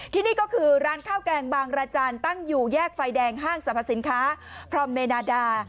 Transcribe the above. ที่นี่ก็คือร้านข้าวแกงบางราจานตั้งอยู่แยกไฟแดงห้างสรรพสินค้าพรอมเมนาดา